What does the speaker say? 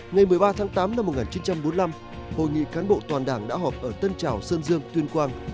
ngày một mươi ba tháng tám năm một nghìn chín trăm bốn mươi năm hội nghị cán bộ toàn đảng đã họp ở tân trào sơn dương tuyên quang